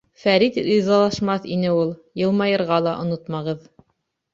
Фәрит ризалашмаҫ ине ул. Йылмайырға ла онотмағыҙ.